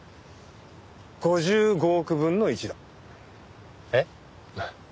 ５５億分の１だ。えっ？